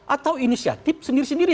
atau inisiatif sendiri sendiri